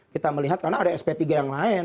kita melihat karena ada sp tiga yang lain